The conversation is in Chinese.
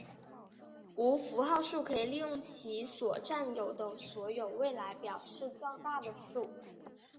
无符号数可以利用其所占有的所有位来表示较大的数。